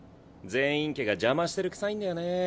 禪院家が邪魔してるくさいんだよね。